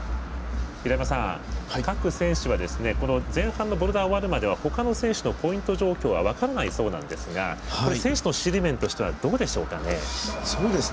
各選手、前半のボルダー終わるまでは他の選手のポイント状況は分からないそうなんですが選手の心理面としてはどうでしょうかね。